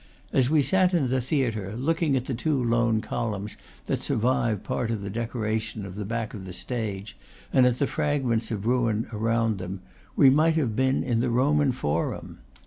As we sat in the theatre, looking at the two lone columns that survive part of the decora tion of the back of the stage and at the fragments of ruin around them, we might have been in the Roman forum.